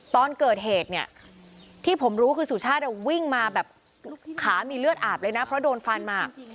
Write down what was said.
ตอนเกิดเหตุเนี่ยที่ผมรู้คือสุชาติวิ่งมาแบบขามีเลือดอาบเลยนะเพราะโดนฟันมา